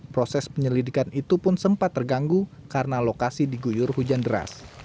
proses penyelidikan itu pun sempat terganggu karena lokasi diguyur hujan deras